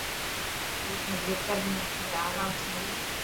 روڊ ميڻ بريڪر هي آرام سان هل.